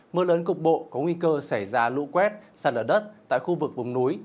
mưa lớn cục bộ có nguy cơ xảy ra lũ quét sạt lở đất tại khu vực vùng núi